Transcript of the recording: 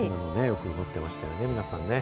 よく撮ってましたよね、皆さんね。